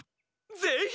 ぜひ！